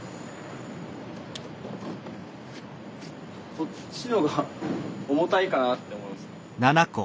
こっちのが重たいかなって思います。